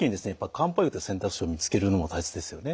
漢方薬って選択肢を見つけるのも大切ですよね。